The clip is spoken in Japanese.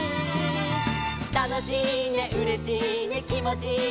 「たのしいねうれしいねきもちいいね」